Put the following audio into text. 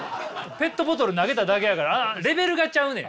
ペットボトル投げただけやからレベルがちゃうねん。